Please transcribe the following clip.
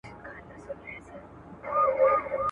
نن له سرو میو نشې تللي دي مستي ویده ده `